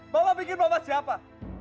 bapak bikin bapak siapa